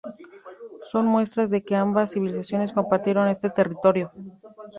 Son muestras de que ambas civilizaciones compartieron este territorio.